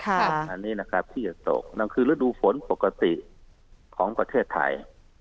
อันนี้นะครับที่จะตกนั่นคือฤดูฝนปกติของประเทศไทย